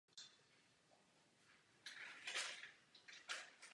Tyto náklady by měly být transparentním způsobem zdokumentovány.